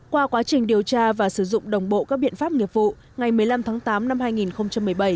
qua quá trình điều tra và sử dụng đồng bộ các biện pháp nghiệp vụ ngày một mươi năm tháng tám năm hai nghìn một mươi bảy